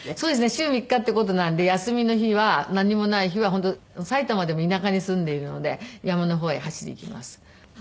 週３日っていう事なんで休みの日は何もない日は本当埼玉でも田舎に住んでいるので山の方へ走りに行きます。